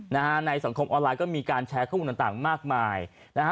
ในสังคมออนไลน์มีการแชร์ข้อมูลต่าง